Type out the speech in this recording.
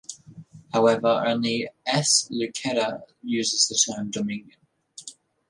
However, only S. Luketa uses the term dominion.